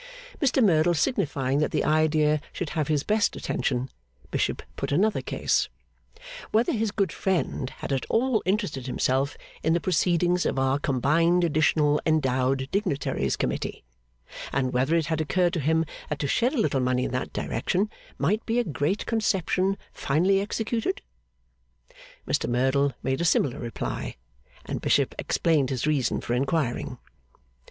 Mr Merdle signifying that the idea should have his best attention, Bishop put another case: Whether his good friend had at all interested himself in the proceedings of our Combined Additional Endowed Dignitaries Committee, and whether it had occurred to him that to shed a little money in that direction might be a great conception finely executed? Mr Merdle made a similar reply, and Bishop explained his reason for inquiring.